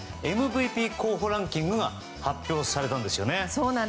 ＭＶＰ候補ランキングが発表されたんですよね。